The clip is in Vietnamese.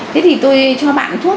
thế thì tôi cho bạn thuốc